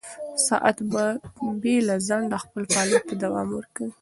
ساعت به بې له ځنډه خپل فعالیت ته دوام ورکوي.